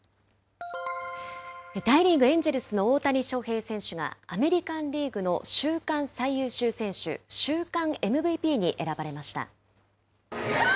大リーグ・エンジェルスの大谷翔平選手が、アメリカンリーグの週間最優秀選手、週間ＭＶＰに選ばれました。